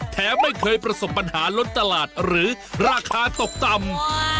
ไม่เคยประสบปัญหาลดตลาดหรือราคาตกต่ำ